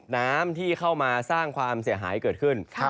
น้ำที่เข้ามาสร้างความเสียหายเกิดขึ้น